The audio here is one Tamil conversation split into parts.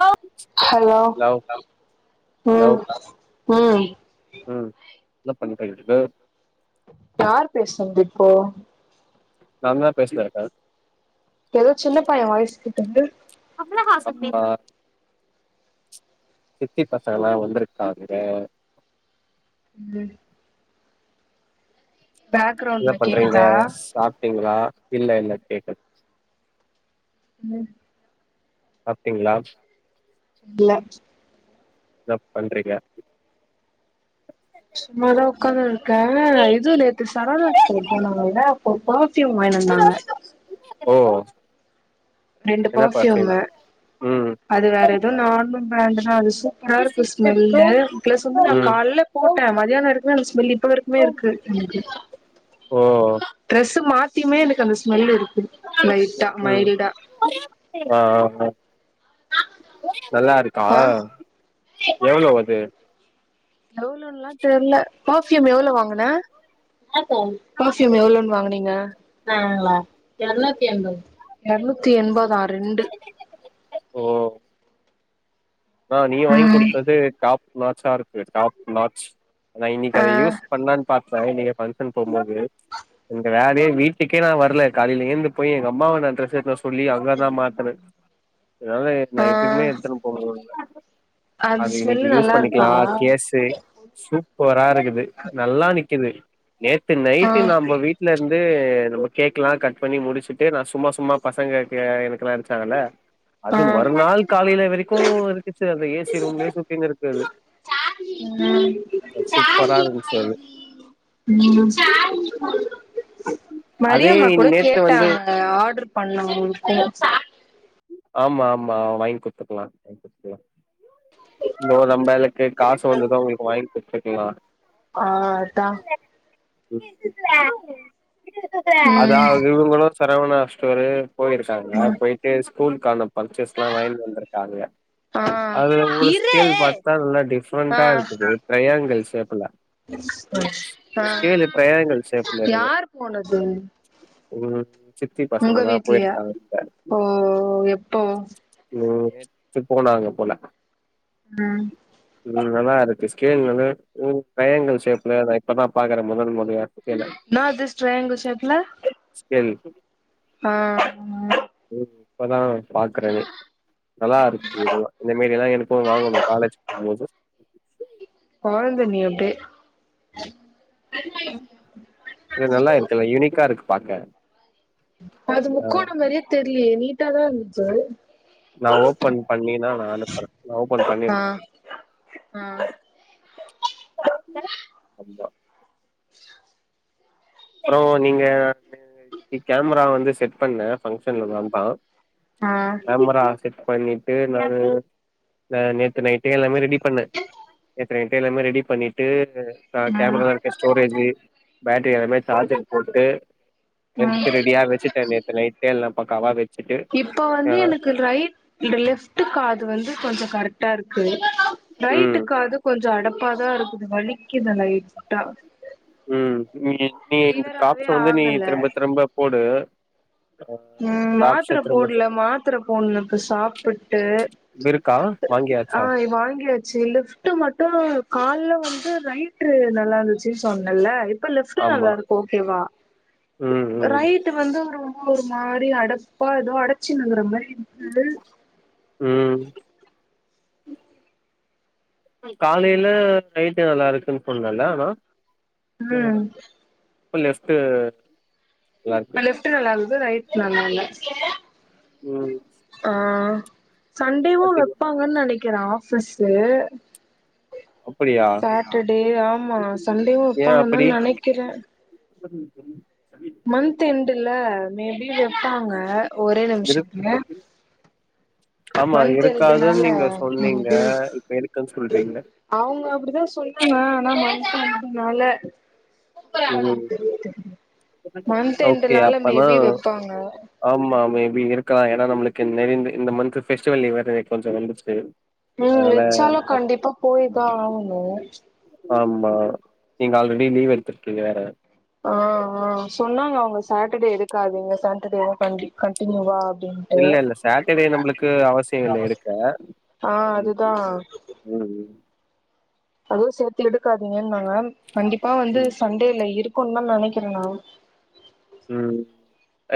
ஓ ஹலோ ம் லவ் ம் ம் என்ன பண்றீங்க யார் பேசன்து இப்போ நாந்தா பேசுன இப்ப ஏதோ சின்ன பய வாய்ஸ் கேட்டது ஆமா சித்தி பசங்கல்லா வந்துருக்காங்க ம் என்ன பேக்ரவுண்ட்ல பண்றீங்க கேக்குதா சாப்ட்டீங்ளா இல்ல இல்ல கேக்கு ம் சாப்டீங்ளா இல்ல என்ன பண்றீங்க சும்மாதா உட்காந்ருக்கே இது நேத்து சரவணா ஸ்டோர் போனோல [unintelligible] சித்தியு அவங்க மயனு இருந்தாங்க ஓ ரெண்டு என்ன பர்ஃப்யூம் பர்ஃபயூமு ம் அது வேற எதே நார்மனு பிராண்டுனா அது சூ சூப்ரா இருக்கு ஸ்மெல்லு பிளஸ் வந்து நா ம் கால்ல போட்ட மதியான வரைக்ரகு நல்லாருஞ்சு ஸ்மெல் இவர்குமே இருக்கு ஓ டிரஸ் மாத் தியுமே எனக்கு ஸ்மெல்லு இருக் கு லைட்டா மைல்டா ஆஹ் நல்லா இருக்கா ஆ எவ்ளோ அது எவ்ளோலா தெர்ல ஃபர்யூம் எவ்ளோ வாங்குன ஃபர்ஃப்யூம் எவ்ளோனு வாங்னீங்க எர்நூத்தி எம்பது எர்நூத்தி எம்பதா ரெண்டு ஓ ஆஹ் நீ வாங்கி ம் கொடுத்தது டாப் நாச்சாருக்கு டாப் நாச் நா இன்னிக்கு ஆ அத யூஸ் பண்ணலான் பாத் ஐ நீங்க ஃபங்க்ஷன் போம்போது இந்த வேலயே வீட்டுக்கே நா வரல காலைல எழுந்து போயி எங்க அம்மாவ நா‌ ட்ரெஸ் எட்னு வர சொல்லி அங்கதா மாத்துன அதான் ஆ நைட்டுக்குமே எடுத்துட்டு போகல அது ஸ்மெல்லு இன்னிக்கி யூஸ் நல்லா இருக்கா பண்ணிக்கலா கேசு சூப்பரா இருக்குது நல்லா நிக்குது நேத்து ஆ நைட்டு நாம்ப வீட்டுல இருந் து நம்ம கேக்கல்லா கட் பண்ணி முடுச்சுட்டு நா சும்மா சும்மா பசங்க எனக்குலா அடிச்சாங்கள ஆ அது மறுநாள் காலைல வரைக்கு டிப்ஸே அந்த ஏ சி ரூம் லயு சுத்தினிருந்துது ம் சூப்பரா இருந்துச்சு எனக்கு மரி‌அம்மா கூட வந்து கேட்டாங்க ஆடர் பண்ணனுன்ட்டு ஆமா ஆமா வாங்கி குத்துகலா வாங்கி குத்துகலா நோ ரொம்ப லக்கு காசு வந்தது உங்ளுகு வாங்கிகுத்து ளா ஆஹ் அதான் [unintelligible] அதா ம் இவுங்களு சரவணா ஸ்டோரு போயிருக்காங்க ம் போயிட்டு [unintelligible] காணம் பர்ச்சஸ்லா வாங்கிட்டு வந்திருக்காங்க ஆ அதுல ஒரு இரு கீழ் பாத்தா நல்லா டிஃப்ரண்ட்டா இருக்குது ட்ரையங்கல் ஸேப் ள ஆஹ் ட்ரையாங்கிள் ஷேப்ல இருக்கு யார் போனது ம் சித்தி உங்க பசங்கல்லா வீட்லையா போயிருக்காங்க ஓ எப்போ ம் நேத்து போனாங்க போல உம் நல்லா இருக்கு ஸ்கேல் ட்ரையங்கள் ஷேப்ல நான் இப்பதான் பாக்குறேன் முதன் முறையா ஸ்கேல இன்னது ட்ரைங்குல் ஷேப்புல [unintelligible] ஆஹ் இப்பதான் பாக்குறேனே நல்லா இருக்கு இதெல்லாம் இந்த மேரி எல்லாம் எனக்கு வாங்கணும் காலேஜ் போகும்போது [unintelligible] இது நல்லா இருக்கல்லாம் யூனிக்கா இருக்கு பாக்க அது ஆ முக்கோணம் மரியித் தெரிலயே நீ நீட்டா தான் இருந்துச்சு நான் ஓபன் பண்ணனா நான் அனுப்புறேன் நான் ஓபன் ஆ பண்ணிருக்கேன் ஆ அப்புறம் நீங்க இன்னைக்கு கேமரா வந்து செட் பண்ணேன் பங்க்ஷன்ல நான் தான் ஆ கேமரா செட் பண்ணிட்டு நான் நேத்து நைட்டே எல்லாமே ரெடி பண்ணேன் நேத்து நைட்டே எல்லாமே ரெடி பண்ணிட்டு ஆஹ் ம் கேமரால இருக்க ஸ்டோரேஜ் பேட்டரி எல்லாமே போட்டு எடுத்து ம் ரெடியா வெச்சிட்டேன் நேத்து நைட்டே எல்லாம் பக்காவ ரெ இப்ப வந்து எனக்கு ரைட் லெஃப்ட் காது வந்து கொஞ்சம் கரெக்ட் டா இருக்கு ம் ரைட்டுக்காது கொஞ்சம் அடப்பு [unintelligible] தான் இருக்கு வலிக்குது [unintelligible] உம் நீ நீ இந்த கிளியராவே டிராப்ஸ் வந்து நீ ஆகல திரும்ப திரும்ப போடு உம் டாப்ஸ மாத்திர திரும்ப போடல மாத்திர போடனும் இப்ப சாப்பிட்டு. திரும்ப இருக்கா வாங்கியாச்சா ஆஹ் வாங்கியாச்சு லிப்ட் மட்டும் கால்ல வந்து ரைட்டுரு நல்லா இருந்துச்சு சொன்ன இல்ல இப்ப லெப்டுல நல்லா ஆமா இருக்கு ஒகே வ ம் ம் ரய்டு வந்து ஒரு ஒரு மாதிரி அடப்பா ஏதோ அடைச்சுனு இருக்குன மாரி உம் ம் உம் காலையில நைட்டு நல்லா இருக்குன்னு சொன்னல ஆனா ம். உம் லெஃப்ட் நல்லா இருக்கு லெஃப்டு நல்லா இருந் ரைட்டு நல்லா இல்ல ம் ஆ சண்டேவும் பாத்தீங்க வெப்பாங்கன்னு நெனைக் கிரா ஆபீஸு அப்படியா சாட்டர்டே ஆமா சண்டேவும் வப்பாங்கன்தா நெனக்கிறே சரிங்க சரிங் மந்த் என்டு இல்ல மே பி விட்டாங்க ஒரே இருக்கு நிமிஷத்துக்கு ஆமா மந்த் எண்டு இருக்காதுன்னு நாளா நீங்க சொன்னீங்க இப்ப இருக்குன்னு சொல்றீங்க [unintelligible] அவுங்க அப்டிதா சொன்னாங்க ஆனா இதுனால ம் மந்து எண்டு ஓகே நாள அப்பனா மேபி வெப்பாங்க அப்டி இருக்கலா ஏன்னா நம்மளுக்கு இந்த இந் இந்த மந்த் பெஸ்டிவல் லீவு வேற கொஞ்சோ வந்துச்சு உம் அதனால வெச்சாலு கண்டிப்பா போயிதா ஆகணு ஆமா நீங்க ஆல்ரெடி லீவ் எடுத்துருக்கீங்க வேற ஆ ஆ சொன்னாங்க அவுங்க ஃசாட்டர்டே எடுக்காாதீங்க ஃசாட்டர்டே கண்டி கண்டிநியுவா இல்ல இல்ல சாட்டர்டே நம்மளுக்கு அவசியோ இல்ல எடுக்க ஆ ம் அதுதா ம் அதுவு சேத்து எடுக்காதீங்கன்னுனாங்க கண்டிப்பா வந்து ம், சண்டேல இருக் கொன்ன நெனக்கிறேனா உம்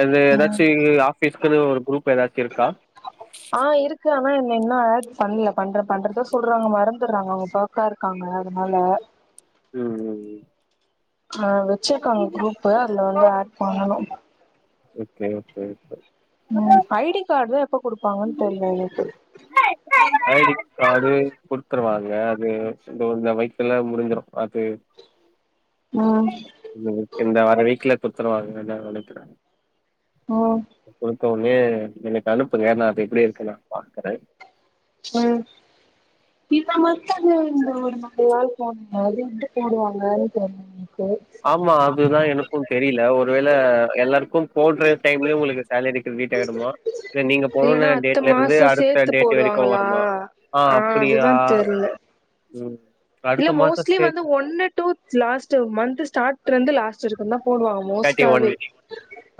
அது எதாச்சு ஆஃபிஸ்க் க்கது ஒரு குருப் இப்ப எதாச்சு இருக்கா இருக்கு ஆ என்ன இன்னு ஆட் பண்ல பண்ற பண்றதா சொல்றாங்க மறந்துறாங்க அவுங்க ஃபோக்கா இருக்காங்க அதுனால உம் உம் உம் ஆ வச்சிற்காங்க குரூப்பு அதுல வந்து ஆட் பண்ணனு okay okay okay um I D காட்தா இப் எப்ப குடுப்பாங்கனு தெர்ல எனக்கு காடு குடுத்துருவாங்க அது இந்த வைக்குல முடிஞ்சிரு அது உம் இந்த இந்த வர்ற வீக்ல குடுத்துருவாங்கனுதா நெனக்குறே ஓ இப்பவே எனக்கு அனுப்புங்க நா அத எப்டி இருக்குனு நா பாக்குறே ம் இந்த மன்த்தா இந்த ஒரு மழையால போனீங்க இது எப்டி போடுவாங்கனு தெர்லங் ஆமா அதுதா எனக்கூ தெரில ஒருவேள எல்லார்க்கும் போடுற டைம்லயே உங்களுக்கு சேலரி கிரிடிட் ஆய்டுமா இல்ல நீங்க இல்லன்னா போன அத்த டேட்லருந்து மாசோ அடுத்த சேத்து டேட் வெரைக்கூ போடுவாங்களா வருமா ஆ அப்டியா அதுதா தெர்ல ம் இல்ல அடுத்த மாச மோஸ்லி வந்து சேத்து ஒன்னு டூ லாஸ்ட் மந்த் ஸ்டாட் லந்து லாஸ்ட் சிர்க்கு தா போடுவாங்க தேர்ட்டி ஒன் மோஸ்டாவே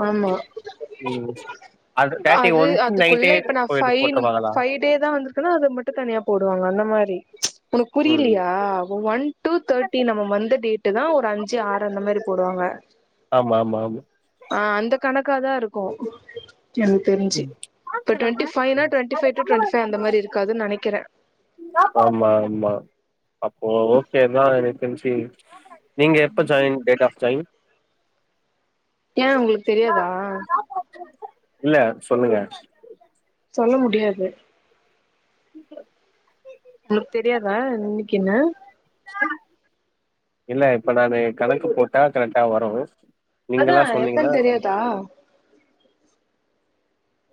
ஆமா ம் தேர்ட்டி அது ஒன்க்கு நைட்டே அதுக்குள்ள இப்ப நா போயிட்டு ஃபன் போட்ருவாங்களா ஃபய் டே தா வந்துர்கனா அது மட்டு தனியா போடுவாங்க அந்த மாரி உனுக் ம் புரிலியா ஆ ஒன் டூ தேட்டி நம்ம வந்த டேட் தா ஒரு அஞ்சு ஆறு அந்த மாறி போடுவாங்க ஆமா ஆமா ஆமா க்காதா இருக்கு எனக் தெரிஞ்சு ம். இப்ப டொன்டிஃபைவ் னா டொன்டி ஃபைவ் டூ டொன்டிசவன் இந்த மாறி இருக்காதுனு நெனைக்குறே ஆமா ஆமா அப்போ ஓகே தா எனக் தெர்ஞ்சி [inaudible] நீங்க எப்ப ஜாய்ன் டேட் ஆஃப் ஜாய்ன் ஏன் உங்களுக்கு தெரியாதா இல்ல சொல்லுங்க சொல்ல முடியாது [inaudible] உக்கு தெரியாதா என்னைக்குன்னு இல்ல இப்ப நானு கணக்கு போட்டா கரெக்டா வரும் அதான் எப்பன்னு தெரியாதா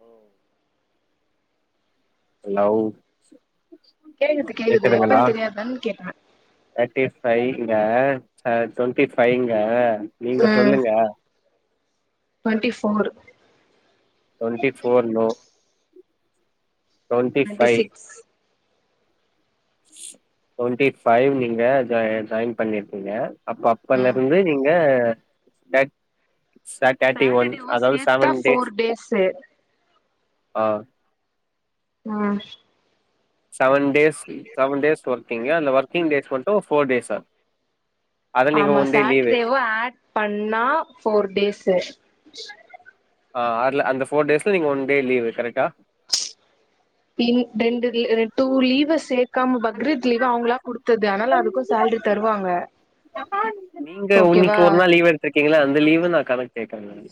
ஓ லவ் கேக்குது கேக்குது கேக்குதுங்களா எப்பன்னு தெரியாதுன்னா கேட்டன் இங்க டவெண்ட்டி பஃபைவ்ங்க நீங்க சொல்லுங்க twenty four twenty four no twenty twenty six twenty five நீங்க ஜா ஜாய்ன் பண்ணிருக்கீங்க அப்ப அப்பல ம் இருந்து நீங்க [unintelligible] சர் டர்டி ஒன் சாட்டர்டேவு அதாவது சேத்தா சவன் டேஸ் ஃபோர் டேஸு ஆஹ் ஆஹ் seven days seven days working அந்த ஒர்கிங் டேஸ் மட்டும் ஃபோர் டேஸா அத நீங்க ஆமா ஒன் டே லீவு சாட்டர்டேவு ஆட் பண்ணா ஃபோர் டேஸு [inaudible] ஆ அதுல அந்த ஃபோர் டேஸ்ல நீங்க ஒன் டே லீவு கரெக்டா இ ரெண்டு லீ டூ லீவ சேத் காம பக்ரீத் லீவ் அவுங்களா குடுத்தது அதுனால அதுக்கும் சேலரி தருவாங்க ஓகேவா த லீவ நா கணக் கேக்கறேன் நானு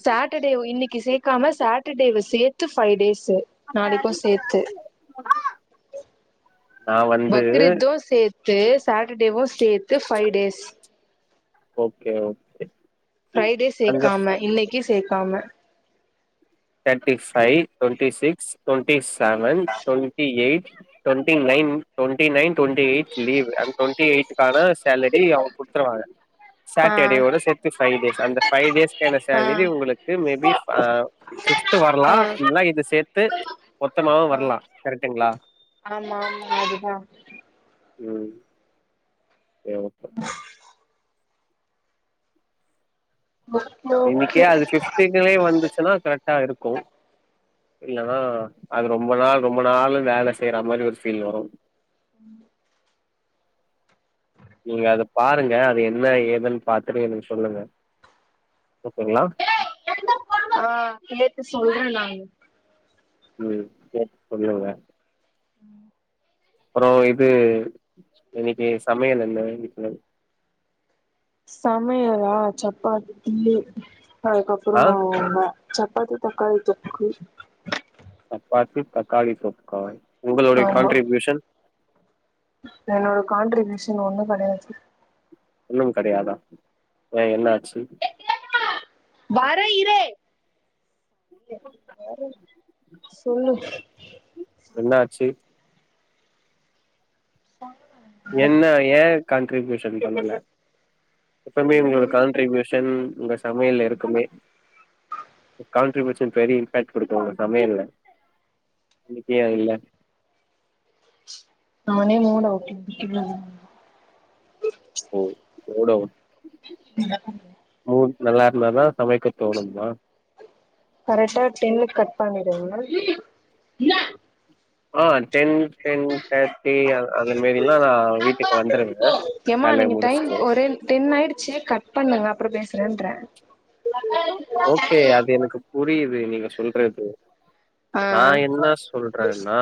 காம சாட்டர்டேவ சேத்து ஃபைவ் டேஸ் [unintelligible] நான் வந்து து சாட்டர்டேவும் சேத்து five days okay okay Friday அந்த சேக்காம இன்னைக்கு சேத் க்காம thirty five twenty six twenty seven twenty eight twenty nine twenty nine twenty eight leave அது டுவெண்டி எய்ட் காண சாலரி அவுங்க குடுத்துருவாங்க ஆ சாட்டர்டே ஓட சேத்து ஃபைவ் டேஸ் அந்த ஃபைவ் டேஸ்கான ஆ ஆ சேலரி உங்களுக்கு மேபி ஆஹ் ஃபிப்த் ஆ வரலாம் இல்லனா ஆமா இது சேத்து மொத்தமாவும் வரலாம் கரெக்டுங்களா ஆமா அதுதா உம் எவ ஓகே ஓகே இன்னிக்கே அது ஃபிப்ட்டிகுல்லயே வந்துச்சுன்னா கரெக்டா இருக்கும் இல்லன்னா அது ரொம்ப நாள் ரொம்ப நாளும் வேல செய்ற மாரி ஒரு ஃபீல் வரும் ம் நீங்க அது பாருங்க அது என்ன ஏதுன்னு பாத்துட்டு எனக்கு சொல்லுங்க ஓகேங்களா ஆ கேட்டு சொல்ற நானு உம் கேட்டு சொல்லுங்களே அப்ற இது இன்னிக்கு சமையல் என்ன வீட்ல சமையலா சப்பாத்தி இட்லி ஆ அதுக்கப்றம் வ சப்பாத்தி தக்காளி தொக்கு சப்பாத்தி தக்காளி தொக்கா உங்களுடைய ஆமா கான்ட்ரிபியூஷன் என்னோட கான்ட்ரிபியூஷன் ஒண்ணு கடையாது ஒன்னும் கடையாதா ஏ என்ன ஆச்சு வர இரு சொல்லு செரி என்ன ஏ க ன்ட்ரிபியுஷன் பண்ணல எப்பமே உங்களோட காண்ட்ரிபியூஷன் தென் உங்க சமையல்ல இருக்குமே கான்ட்ரிபியுஷன் பெரிய இம்பாக்ட் குடுக்கு உங்க சமயல்ல இன்னைக்கு ஏ இல்ல நானே மூட் அவுட்ல இருக்கே ம் [unintelligible] நல்லா இருந்தானா சமைக்க தோணும்மா கரெக்டா டென்னுக்கு கட் பண்ணிடுங்க ஆஹ் டென் டென் தேர்ட்டி அ அந்த மேரில்லா வீட்டுக்கு வந்துருங்க ஏமா வேலைய நீங்க டைம் முடிச்சுட்டு ஒரே ரெண்டர ஓகே அது எனக்கு புரியிது. து நீங்க சொல்றது. நா ஆ என்ன சொல்றனா